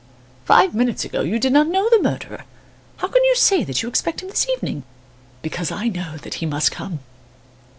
"Five minutes ago, you did not know the murderer; how can you say that you expect him this evening?" "Because I know that he must come."